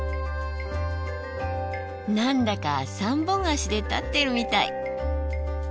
何だか３本足で立ってるみたい。